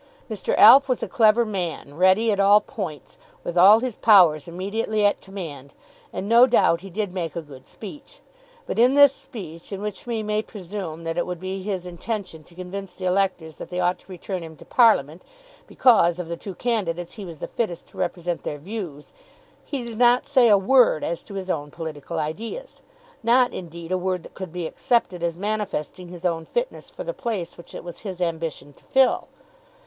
Mr. Alf was a clever man, ready at all points, with all his powers immediately at command, and, no doubt, he did make a good speech. But in this speech, in which we may presume that it would be his intention to convince the electors that they ought to return him to Parliament, because, of the two candidates, he was the fittest to represent their views, he did not say a word as to his own political ideas, not, indeed, a word that could be accepted as manifesting his own fitness for the place which it was his ambition to fill.